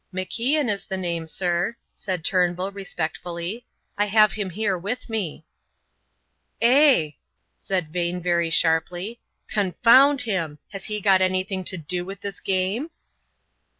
"MacIan is the name, sir," said Turnbull, respectfully; "I have him here with me." "Eh!" said Vane very sharply. "Confound him! Has he got anything to do with this game?"